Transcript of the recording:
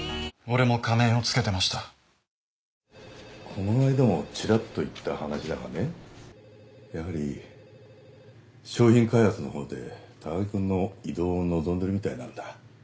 この間もちらっと言った話だがねやはり商品開発の方で高木君の異動を望んでるみたいなんだ。